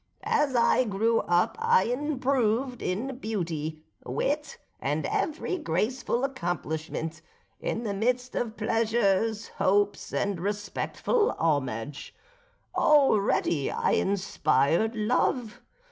As I grew up I improved in beauty, wit, and every graceful accomplishment, in the midst of pleasures, hopes, and respectful homage. Already I inspired love.